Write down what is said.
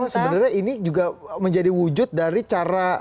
sebenarnya ini juga menjadi wujud dari cara